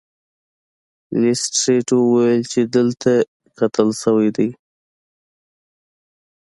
لیسټرډ وویل چې دلته قتل شوی دی.